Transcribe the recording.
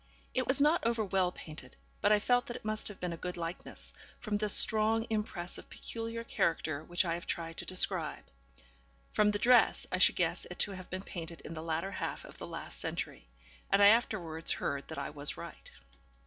It was not over well painted, but I felt that it must have been a good likeness, from this strong impress of peculiar character which I have tried to describe. From the dress, I should guess it to have been painted in the latter half of the last century. And I afterwards heard that I was right.